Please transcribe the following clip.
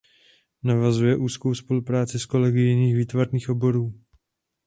Navazuje úzkou spolupráci s kolegy jiných výtvarných oborů.